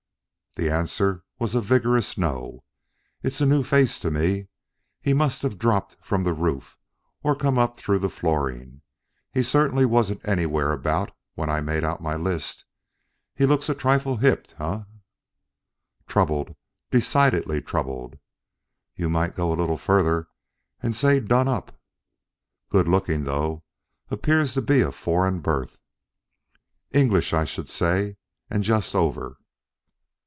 The answer was a vigorous no. "It's a new face to me. He must have dropped from the roof or come up through the flooring. He certainly wasn't anywhere about when I made out my list. He looks a trifle hipped, eh?" "Troubled decidedly troubled." "You might go a little further and say done up." "Good looking, though. Appears to be of foreign birth." "English, I should say, and just over."